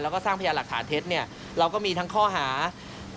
แล้วก็สร้างพยานหลักฐานเท็จเราก็มีทั้งข้อหาแจ้งให้จับมา